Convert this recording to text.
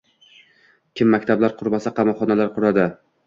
Kim maktablar qurmasa qamoqxonalar quradi